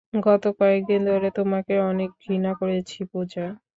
গত কয়েকদিন ধরে, তোমাকে অনেক ঘৃণা করেছি, পূজা।